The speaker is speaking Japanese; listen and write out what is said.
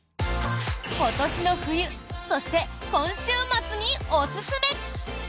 今年の冬そして今週末におすすめ！